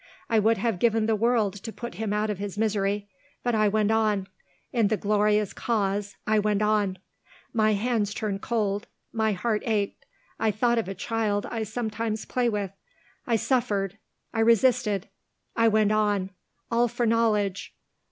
I would have given the world to put him out of his misery. But I went on. In the glorious cause I went on. My hands turned cold my heart ached I thought of a child I sometimes play with I suffered I resisted I went on. All for Knowledge!